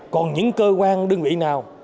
còn những cơ quan đơn vị nào